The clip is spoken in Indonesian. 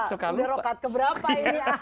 sudah rokat keberapa ini